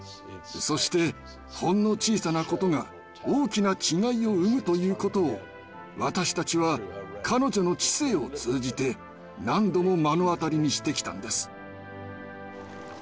そしてほんの小さなことが大きな違いを生むということを私たちは彼女の治世を通じて何度も目の当たりにしてきたんです。